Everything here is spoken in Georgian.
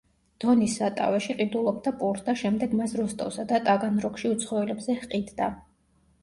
დონის სატავეში ყიდულობდა პურს და შემდეგ მას როსტოვსა და ტაგანროგში უცხოელებზე ჰყიდდა.